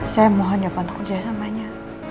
saya mohon ya pak untuk kerjasamanya